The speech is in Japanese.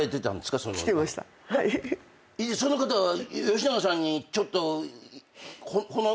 その方は吉永さんにちょっとほの。